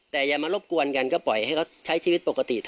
แต่อย่ามารบกวนกันก็ปล่อยให้เขาใช้ชีวิตปกติ